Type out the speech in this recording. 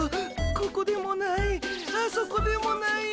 ここでもないあそこでもない。